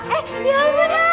eh ya ampun hai